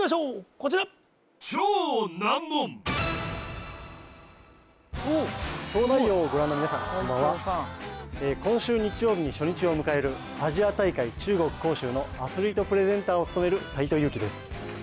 こちら「東大王」をご覧の皆さんこんばんは今週日曜日に初日を迎えるアジア大会中国・杭州のアスリートプレゼンターを務める斎藤佑樹です